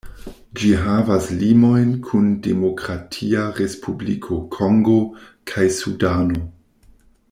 Ĝi havas limojn kun Demokratia Respubliko Kongo kaj Sudano.